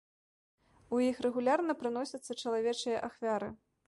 У іх рэгулярна прыносяцца чалавечыя ахвяры.